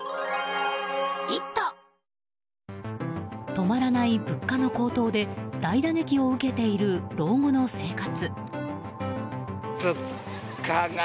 止まらない物価の高騰で大打撃を受けている老後の生活。